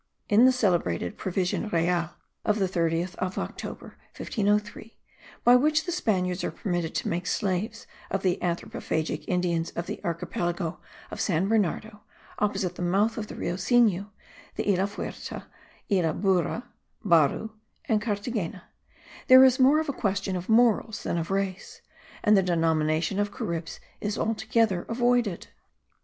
In the celebrated Provision Real of the 30th of October, 1503, by which the Spaniards are permitted to make slaves of the anthropophagic Indians of the archipelago of San Bernardo, opposite the mouth of the Rio Sinu, the Isla Fuerte, Isla Bura (Baru) and Carthagena, there is more of a question of morals than of race, and the denomination of Caribs is altogether avoided.